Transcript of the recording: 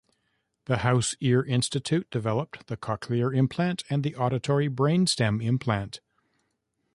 The House Ear Institute developed the cochlear implant and the auditory brain stem implant.